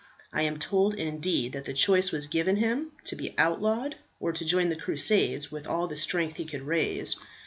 I am told indeed that the choice was given him to be outlawed, or to join the Crusades with all the strength he could raise.